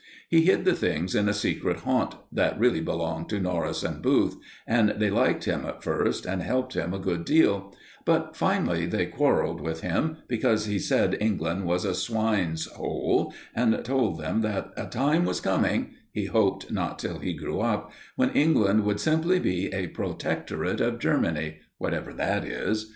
He hid the things in a secret haunt, that really belonged to Norris and Booth; and they liked him at first and helped him a good deal; but finally they quarrelled with him, because he said England was a swine's hole, and told them that a time was coming he hoped not till he grew up when England would simply be a Protectorate of Germany, whatever that is.